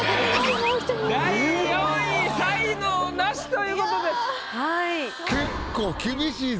第４位才能ナシということです。